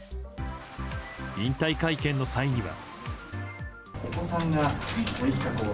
引退会見の際には。